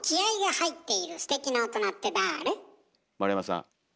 丸山さん。